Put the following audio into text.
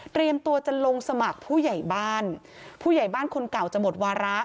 ตัวจะลงสมัครผู้ใหญ่บ้านผู้ใหญ่บ้านคนเก่าจะหมดวาระ